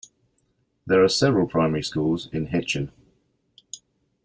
There are several primary schools in Hitchin.